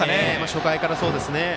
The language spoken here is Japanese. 初回から、そうですね。